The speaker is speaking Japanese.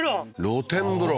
露天風呂？